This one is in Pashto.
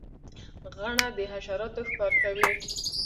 غڼه د حشراتو ښکار کوي